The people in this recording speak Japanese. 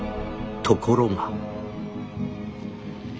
ところが」。